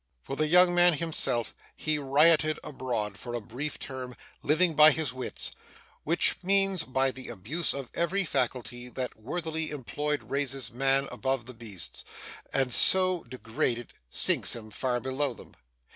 For the young man himself, he rioted abroad for a brief term, living by his wits which means by the abuse of every faculty that worthily employed raises man above the beasts, and so degraded, sinks him far below them.